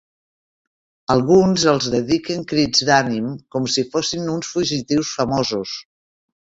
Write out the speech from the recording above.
Alguns els dediquen crits d'ànim, com si fossin uns fugitius famosos.